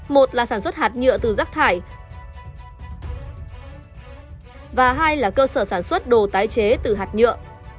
một là sản xuất hạt nhựa từ rác thải và hai là cơ sở sản xuất đồ tái chế từ hạt nhựa